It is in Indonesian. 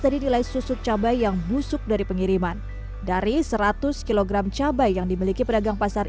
tadi nilai susu cabai yang busuk dari pengiriman dari seratus kg cabai yang dimiliki pedagang pasar